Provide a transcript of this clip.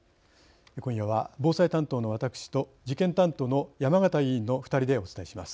今夜は防災担当の私と事件担当の山形委員の２人でお伝えします。